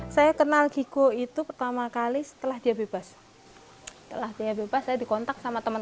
saya kenal kiko itu pertama kali setelah dia bebas setelah dia bebas saya dikontak sama teman